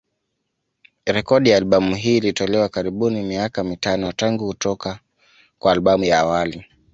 Rekodi ya albamu hii ilitolewa karibuni miaka mitano tangu kutoka kwa albamu ya awali.